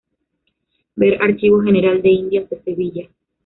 Ver Archivo General de Indias de Sevilla.